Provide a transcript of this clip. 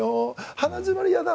鼻詰まりが嫌だ。